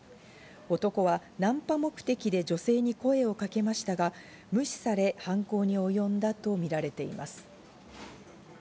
男はナンパ目的で女性に声をかけましたが、無視され犯行に及んだとみられています。